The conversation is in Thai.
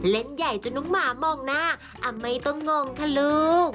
เล่นใหญ่จนน้องหมามองหน้าไม่ต้องงงค่ะลูก